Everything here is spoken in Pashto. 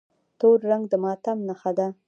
تور رنګ د ماتم نښه ده.